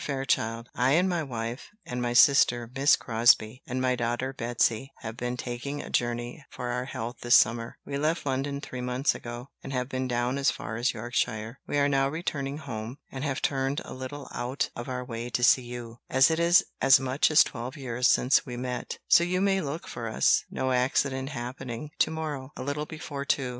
FAIRCHILD, "I and my wife, and my sister Miss Crosbie, and my daughter Betsy, have been taking a journey for our health this summer. We left London three months ago, and have been down as far as Yorkshire. We are now returning home, and have turned a little out of our way to see you, as it is as much as twelve years since we met; so you may look for us, no accident happening, to morrow, a little before two.